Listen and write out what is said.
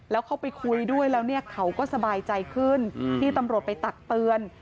แล้วเข้าไปคุยด้วยแล้วเนี่ยเขาก็สบายใจขึ้นที่ตำรวจไปตักเตือน